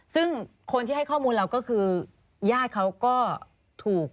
ซึ่งคนที่ให้ข้อมูลเราก็คือญาติเขาก็ถูก